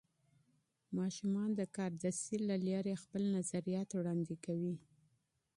ماشومان د کاردستي له لارې خپل نظریات وړاندې کوي.